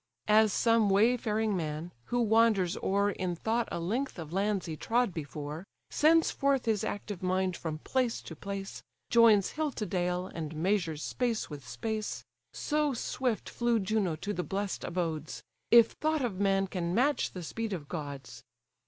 As some wayfaring man, who wanders o'er In thought a length of lands he trod before, Sends forth his active mind from place to place, Joins hill to dale, and measures space with space: So swift flew Juno to the bless'd abodes, If thought of man can match the speed of gods.